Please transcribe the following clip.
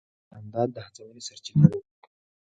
جانداد د هڅونې سرچینه دی.